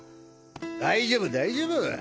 大丈夫大丈夫。